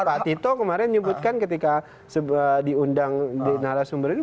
pak tito kemarin menyebutkan ketika diundang di narasumber ini